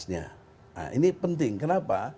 nah ini penting kenapa